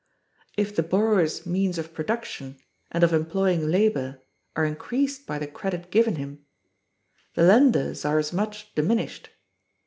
If the borrower's means of production and of employing labor are increased by the credit given him, the lender's are as much diminished.